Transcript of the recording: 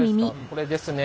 これですね